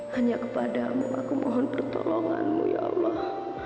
hanya kepadamu aku mohon pertolonganmu ya allah